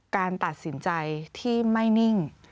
การตัดสินใจที่ไม่นิ่ง